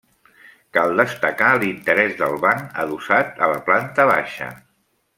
Cal destacar l'interès del banc adossat a la planta baixa.